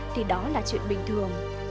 thì đó là chuyện bình thường